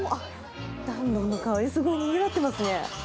暖炉の香り、すごいにぎわっていますね。